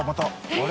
あれ？